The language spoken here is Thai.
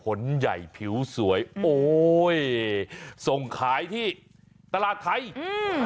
ผลใหญ่ผิวสวยโอ้ยส่งขายที่ตลาดไทยอืม